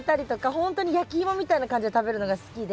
ほんとに焼きイモみたいな感じで食べるのが好きで。